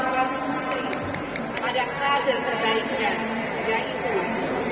di itunegawati pak waduh menteri pada kader terbaiknya yaitu presiden bu joko widodo